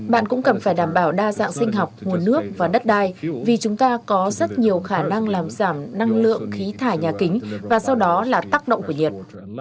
bạn cũng cần phải đảm bảo đa dạng sinh học nguồn nước và đất đai vì chúng ta có rất nhiều khả năng làm giảm năng lượng khí thải nhà kính và sau đó là tác động của nhiệt